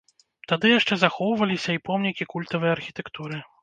Тады яшчэ захоўваліся і помнікі культавай архітэктуры.